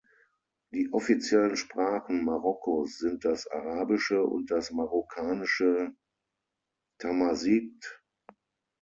Die offiziellen Sprachen Marokkos sind das Arabische und das Marokkanische Tamazight.